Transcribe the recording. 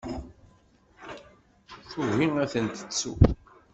Tugi ad ten-tettu.